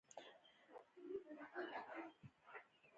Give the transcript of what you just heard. ډيپلوماسي د سوله ییزو اړیکو د ټینګښت لپاره کارول کېږي.